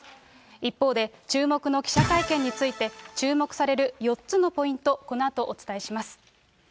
一方、注目の記者会見で注目される４つのポイント、このあとお伝えします。